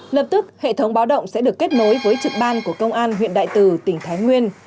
lập tức hệ thống báo động sẽ được kết nối với trực ban của công an huyện đại từ tỉnh thái nguyên